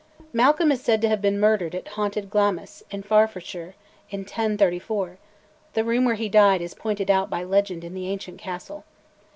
Malcolm is said to have been murdered at haunted Glamis, in Forfarshire, in 1034; the room where he died is pointed out by legend in the ancient castle.